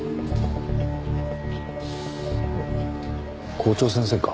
校長先生か？